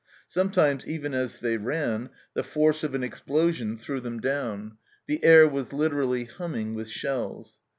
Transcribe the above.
Sometimes, even as they ran, the force of an explosion threw them down. The air was literally humming with shells.